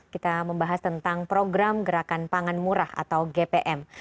kita membahas tentang program gerakan pangan murah atau gpm